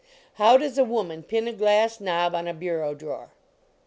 How does a woman pin a glass knob on a bureau drawer?